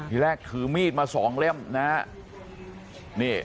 ที่แรกถือมีดมาสองเล่มนะครับ